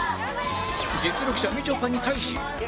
実力者みちょぱに対し